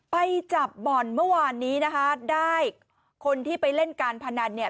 ไปจับบ่อนเมื่อวานนี้นะคะได้คนที่ไปเล่นการพนันเนี่ย